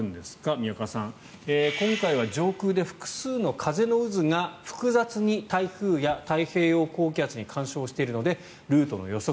宮川さん、今回は上空で複数の風の渦が複雑に台風や太平洋高気圧に干渉しているのでルートの予測